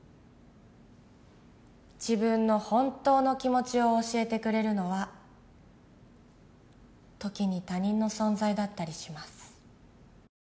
自分の本当の気持ちを教えてくれるのは時に他人の存在だったりします